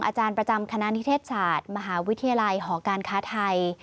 อาจารย์ประจำคณะนิเทศศาสตร์มหาวิทยาลัยหอการค้าไทย